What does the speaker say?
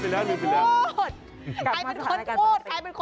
ใครเป็นคนพูดใครเป็นคน